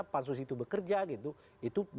pansus itu bekerja gitu